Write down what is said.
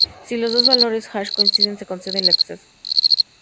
Si los dos valores hash coinciden, se concede el acceso.